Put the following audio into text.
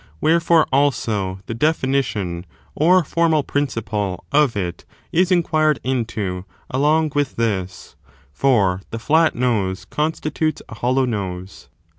Wherefore, also, the definition or formsd principle of it is inquired into along with this, for the flat nose constitutes a hollow nose.